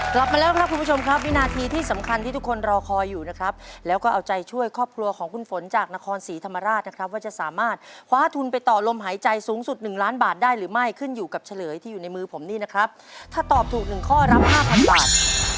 กลับมาแล้วครับคุณผู้ชมครับวินาทีที่สำคัญที่ทุกคนรอคอยอยู่นะครับแล้วก็เอาใจช่วยครอบครัวของคุณฝนจากนครศรีธรรมราชนะครับว่าจะสามารถคว้าทุนไปต่อลมหายใจสูงสุดหนึ่งล้านบาทได้หรือไม่ขึ้นอยู่กับเฉลยที่อยู่ในมือผมนี่นะครับถ้าตอบถูกหนึ่งข้อรับห้าพันบาท